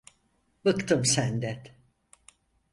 Bıktım senden.